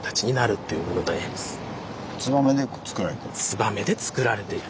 燕でつくられている。